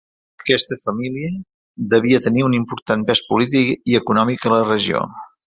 Aquesta família devia tenir un important pes polític i econòmic a la regió.